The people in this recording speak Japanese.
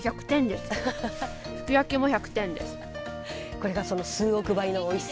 これがその数億倍のおいしさ。